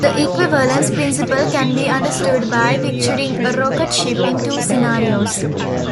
The equivalence principle can be understood by picturing a rocket ship in two scenarios.